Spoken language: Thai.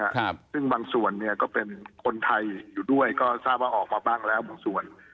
ครับซึ่งบางส่วนเนี้ยก็เป็นคนไทยอยู่ด้วยก็ทราบว่าออกมาบ้างแล้วบางส่วน